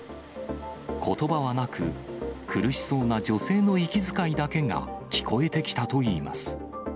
ことばはなく、苦しそうな女性の息遣いだけが聞こえてきたといいます。